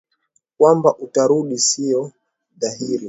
Kwamba utarudi sio dhahiri.